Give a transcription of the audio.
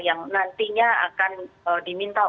yang nantinya akan diminta